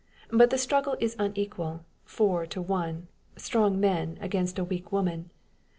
But the struggle is unequal four to one strong men, against a weak woman!